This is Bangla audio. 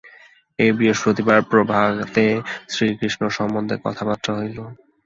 এই বৃহস্পতিবার প্রভাতে শ্রীকৃষ্ণ সম্বন্ধে কথাবার্তা হইল।